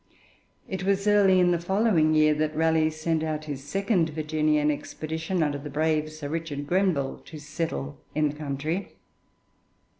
It was early in the following year that Raleigh sent out his second Virginian expedition, under the brave Sir Richard Grenville, to settle in the country.